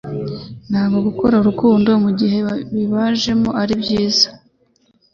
Nubwo gukora urukundo igihe bibajemo aribyiza,